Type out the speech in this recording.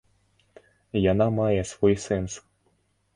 Яна мае свой сэнс.